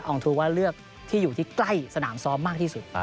องทูว่าเลือกที่อยู่ที่ใกล้สนามซ้อมมากที่สุด